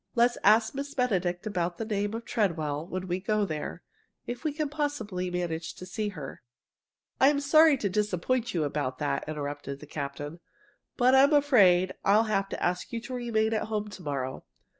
Let's ask Miss Benedict about the name of Treadwell when we go there, if we can possibly manage to see her." "I'm sorry to disappoint you about that," interrupted the captain. "But I'm afraid I'll have to ask you to remain at home to morrow.